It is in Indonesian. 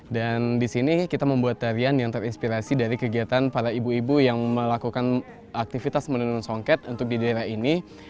dan di sini kita membuat tarian yang terinspirasi dari kegiatan para ibu ibu yang melakukan aktivitas menenunan songket untuk di daerah ini